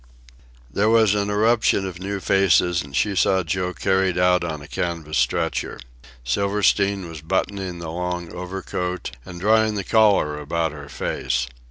There was an eruption of new faces, and she saw Joe carried out on a canvas stretcher. Silverstein was buttoning the long overcoat and drawing the collar about her face.